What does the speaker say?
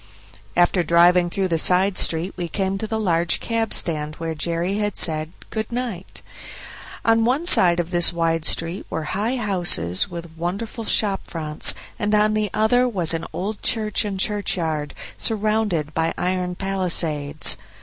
After driving through the side street we came to the large cab stand where Jerry had said "Good night". On one side of this wide street were high houses with wonderful shop fronts, and on the other was an old church and churchyard, surrounded by iron palisades.